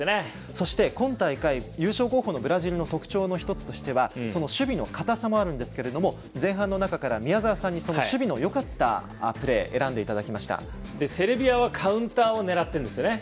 そして、今大会優勝候補のブラジルの特徴の１つとしては守備の堅さもあるんですけども前半の中から宮澤さんに守備のよかったプレーをセルビアはカウンターを狙っているんですね。